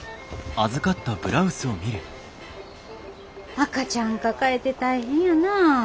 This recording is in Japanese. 赤ちゃん抱えて大変やなあ。